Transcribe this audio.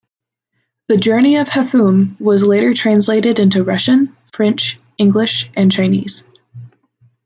The Journey of Hethoum was later translated into Russian, French, English, and Chinese.